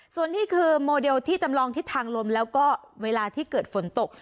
ส่วนนี้คือโมเดลที่จำลองทิศทางลมแล้วก็เวลาที่เกิดฝนตก